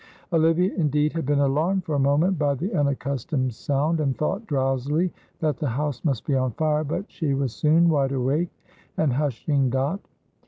Olivia indeed had been alarmed for a moment by the unaccustomed sound, and thought drowsily that the house must be on fire, but she was soon wide awake and hushing Dot.